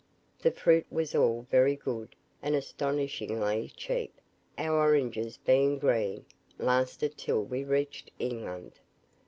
The fruit was all very good, and astonishingly cheap; our oranges being green, lasted till we reached England.